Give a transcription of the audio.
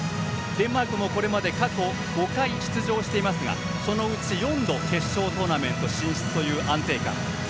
デンマークもこれまで過去５回、出場していますがそのうち４度決勝トーナメント進出の安定感。